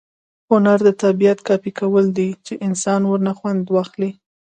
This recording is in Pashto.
هنر د طبیعت کاپي کول دي، چي انسانان ورنه خوند واخلي.